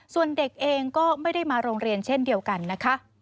ส่วนเด็กเองก็ไม่ได้มาโรงเรียนเช่นเดียวกันนะคะ